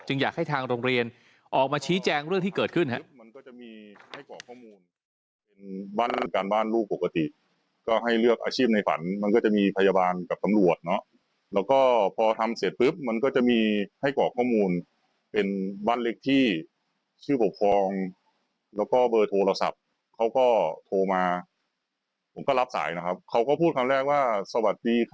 อยากให้ทางโรงเรียนออกมาชี้แจงเรื่องที่เกิดขึ้นครับ